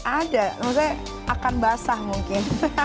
ada maksudnya akan basah mungkin